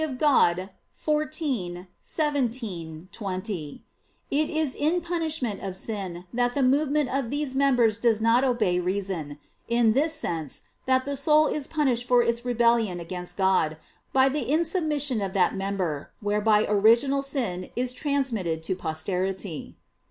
Dei xiv, 17, 20) it is in punishment of sin that the movement of these members does not obey reason: in this sense, that the soul is punished for its rebellion against God, by the insubmission of that member whereby original sin is transmitted to posterity.